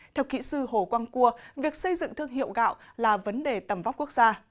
theo kỹ sư hồ quang cua việc xây dựng thương hiệu gạo là vấn đề tầm vóc quốc gia